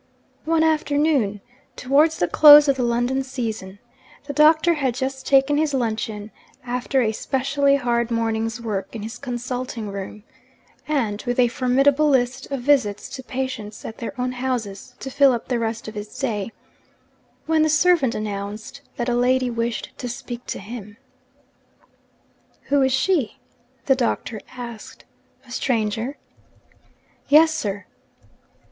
One afternoon, towards the close of the London season, the Doctor had just taken his luncheon after a specially hard morning's work in his consulting room, and with a formidable list of visits to patients at their own houses to fill up the rest of his day when the servant announced that a lady wished to speak to him. 'Who is she?' the Doctor asked. 'A stranger?' 'Yes, sir.'